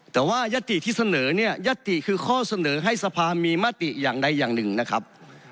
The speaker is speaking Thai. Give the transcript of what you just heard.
แต่ว่ายัตติที่เสนอเนี่ยยัตติคือข้อเสนอให้สภามีมติอย่างใดอย่างหนึ่งนะครับ